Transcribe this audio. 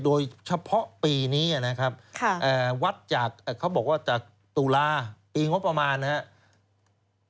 โดยเฉพาะปีนี้นะครับวัดจากเขาบอกว่าจากตุลาปีงบประมาณนะครับ